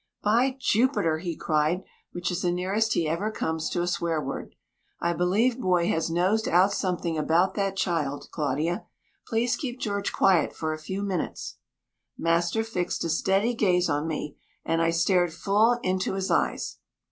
"By Jupiter!" he cried, which is the nearest he ever comes to a swear word. "I believe Boy has nosed out something about that child. Claudia, please keep George quiet for a few minutes." Master fixed a steady gaze on me, and I stared full into his eyes.